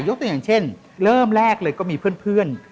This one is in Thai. ตัวอย่างเช่นเริ่มแรกเลยก็มีเพื่อน